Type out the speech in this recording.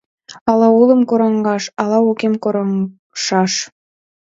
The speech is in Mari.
Ала улым кораҥшаш, ала укем кораҥшаш?